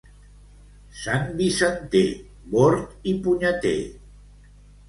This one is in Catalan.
Santvicenter, bord i punyeter.